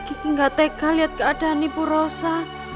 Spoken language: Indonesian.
kiki gak tega liat keadaan ibu rosa